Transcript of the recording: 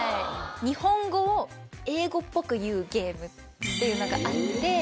日本語を英語っぽく言うゲームっていうのがあって。